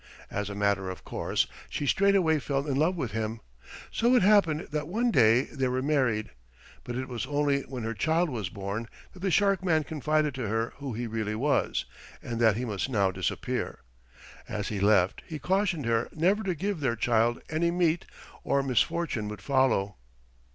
As a matter of course, she straightway fell in love with him. So it happened that one day they were married; but it was only when her child was born that the shark man confided to her who he really was, and that he must now disappear. As he left, he cautioned her never to give their child any meat, or misfortune would follow.